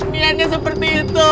nihannya seperti itu